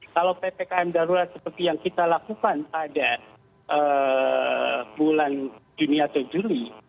kalau ppkm darurat seperti yang kita lakukan pada bulan juni atau juli